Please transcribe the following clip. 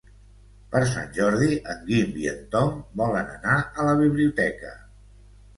Per Sant Jordi en Guim i en Tom volen anar a la biblioteca.